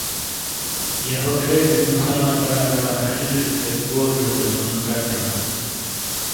یَہو چھیچے نیو سَمائی بڑا بڑا شِیشے چیک گوجیڑے ولیونو چَٹ تھینا۔